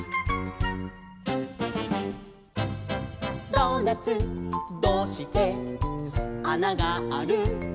「ドーナツどうしてあながある？」